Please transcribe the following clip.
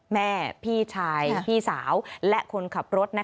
แม่พี่ชายพี่สาวและคนขับรถ